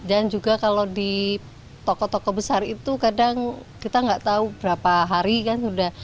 dan juga kalau di toko toko besar itu kadang kita nggak tahu berapa hari kan sudah